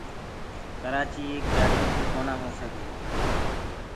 ڪرآچيٚ ايڪ جآتيٚ ڪيٚ ڪونآ هو سڪي